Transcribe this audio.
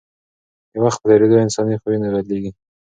د وخت په تېرېدو انساني خویونه بدلېږي.